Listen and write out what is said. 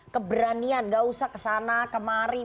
keberanian gak usah kesana kemari